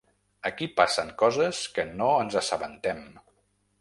Aquí passen coses que no ens assabentem.